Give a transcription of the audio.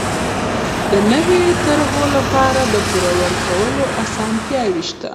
د نويو طرحو لپاره د پور ورکولو اسانتیاوې شته.